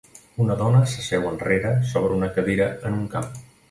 Una dona s'asseu enrere sobre una cadira en un camp.